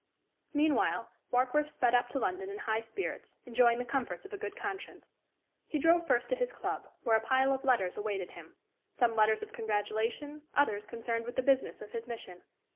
Meanwhile, Warkworth sped up to London in high spirits, enjoying the comforts of a good conscience. He drove first to his club, where a pile of letters awaited him some letters of congratulation, others concerned with the business of his mission.